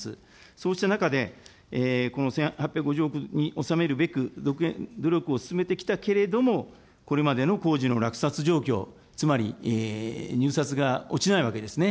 そうした中で、この１８５０億におさめるべく努力を進めてきたけれども、これまでの工事の落札状況、つまり、入札が落ちないわけですね。